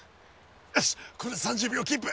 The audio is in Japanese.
よしこれで３０秒キープ！